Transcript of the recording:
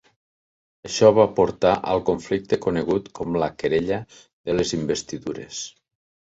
Això va portar al conflicte conegut com la Querella de les Investidures.